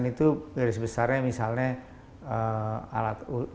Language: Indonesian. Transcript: empat puluh lima itu dari sebesarnya misalnya alat ulu